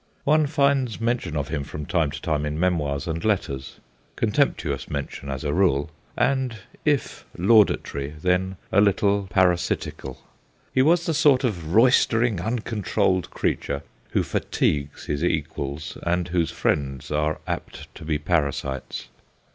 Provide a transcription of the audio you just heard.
One finds mention of him from time to time in memoirs and letters ; contemptuous mention, as a rule, and if laudatory, then a little parasitical. He was the sort of roystering, uncontrolled creature who fatigues his equals, and whose friends are apt to be parasites.